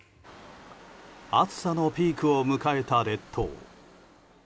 暑さのピークを迎えた列島。